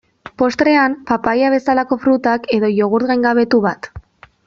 Postrean papaia bezalako frutak, edo jogurt gaingabetu bat.